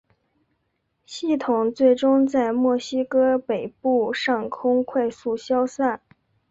系统最终在墨西哥北部上空快速消散。